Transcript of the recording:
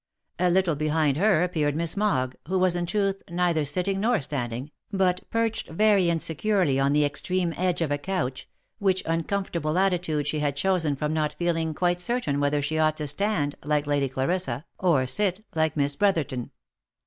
A little behind her appeared Miss Mogg, who was in truth neither sitting nor standing, but perched very insecurely on the extreme edge of a couch, which uncomfortable attitude she had chosen from not feeling quite certain whether she ought to stand like Lady Clarissa, or sit like Miss Brotherton.